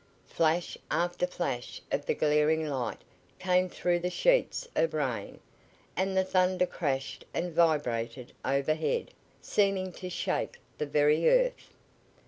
Flash after flash of the glaring light came through the sheets of rain, and the thunder crashed and vibrated overhead, seeming to, shake the very earth.